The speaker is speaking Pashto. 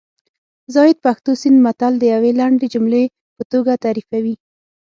زاهد پښتو سیند متل د یوې لنډې جملې په توګه تعریفوي